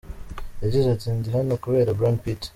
Yagize ati, “Ndi hano kubera Brad Pitt.